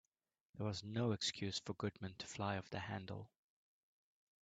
There was no excuse for Goodman to fly off the handle.